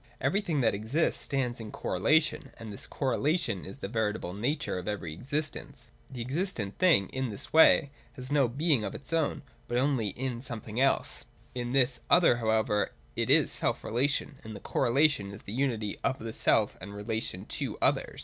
Everything that exists stands in correlation, and this correlation is the veritable nature of every existence. The existent thing in this way has no being of its own, but only in something else : in this other however it is self relation ; and correlation is the unity of the self relation and relation to others.